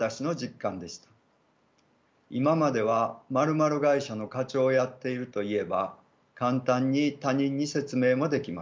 今までは○○会社の課長をやっていると言えば簡単に他人に説明もできます。